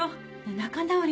仲直り！